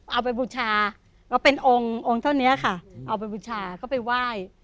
เอาไปบุชาเอาเป็นองค์เท่านี้ค่ะเอาไปบุชาเขาไปไหว้